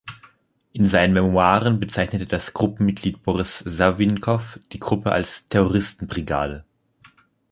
In seinen Memoiren bezeichnete das Gruppenmitglied Boris Savinkov die Gruppe als „Terroristenbrigade“.